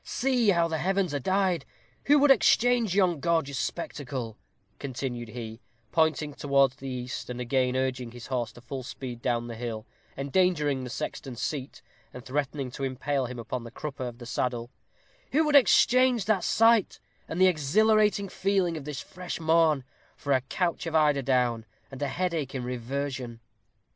See how the heavens are dyed! Who would exchange yon gorgeous spectacle," continued he, pointing towards the east, and again urging his horse to full speed down the hill, endangering the sexton's seat, and threatening to impale him upon the crupper of the saddle "who would exchange that sight, and the exhilarating feeling of this fresh morn, for a couch of eiderdown, and a headache in reversion?"